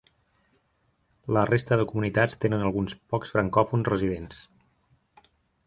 La resta de comunitats tenen alguns pocs francòfons residents.